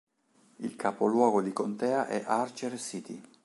Il capoluogo di contea è Archer City.